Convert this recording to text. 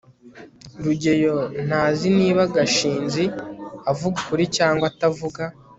rugeyo ntazi niba gashinzi avuga ukuri cyangwa atavuga